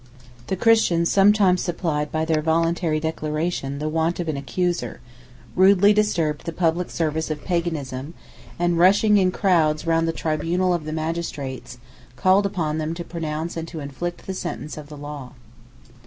The Christians sometimes supplied by their voluntary declaration the want of an accuser, rudely disturbed the public service of paganism, 94 and rushing in crowds round the tribunal of the magistrates, called upon them to pronounce and to inflict the sentence of the law.